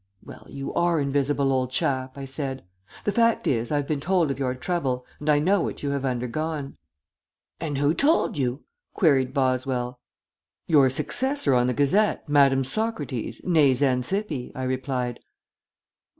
"Well, you are invisible, old chap," I said. "The fact is, I've been told of your trouble, and I know what you have undergone." "And who told you?" queried Boswell. "Your successor on the Gazette, Madame Socrates, nee Xanthippe," I replied.